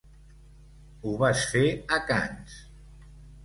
Ho vas fer a Cannes.